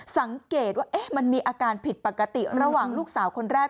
สังเกตว่ามันมีอาการผิดปกติระหว่างลูกสาวคนแรก